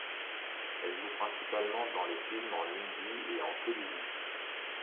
Elle joue principalement dans les films en hindi et en telugu.